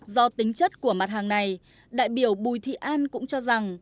do tính chất của mặt hàng này đại biểu bùi thị an cũng cho rằng